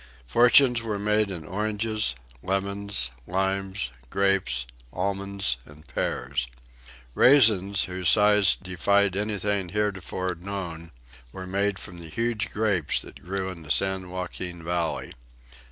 Fortunes were made in oranges, lemons, limes, grapes, almonds and pears. Raisins, whose size defied anything heretofore known, were made from the huge grapes that grew in the San Joaquin Valley.